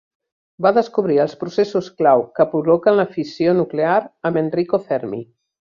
Va descobrir els processos clau que provoquen la fissió nuclear amb Enrico Fermi.